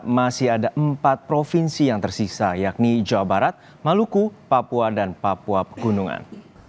masih ada empat provinsi yang tersisa yakni jawa barat maluku papua dan papua pegunungan